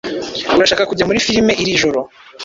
Urashaka kujya muri firime iri joro?